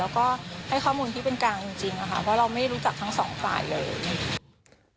แล้วก็ให้ข้อมูลที่เป็นกลางจริงนะคะเพราะเราไม่รู้จักทั้งสองฝ่ายเลย